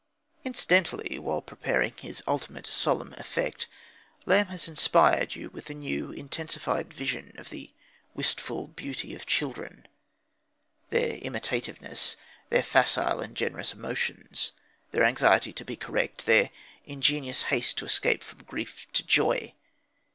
Incidentally, while preparing his ultimate solemn effect, Lamb has inspired you with a new, intensified vision of the wistful beauty of children their imitativeness, their facile and generous emotions, their anxiety to be correct, their ingenuous haste to escape from grief into joy.